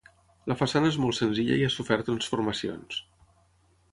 La façana és molt senzilla i ha sofert transformacions.